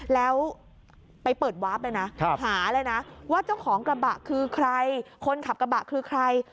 แล้วไปเปิดวาร์ฟเลยนะหาเลยนะว่าเจ้าของกระบะคือใครคนขับกระบะคือใคร